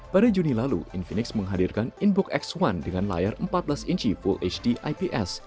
pada juni lalu infinix menghadirkan inbook x satu dengan layar empat belas inci full hdips